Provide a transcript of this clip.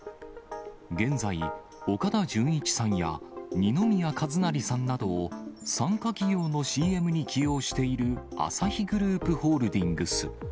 現在、岡田准一さんや二宮和也さんなどを、傘下企業のＣＭに起用しているアサヒグループホールディングス。